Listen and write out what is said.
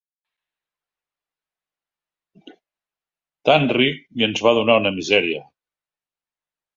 Tan ric i ens va donar una misèria!